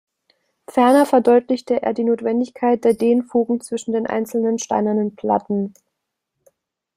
Ferner verdeutlichte er die Notwendigkeit der Dehnfugen zwischen den einzelnen steinernen Platten.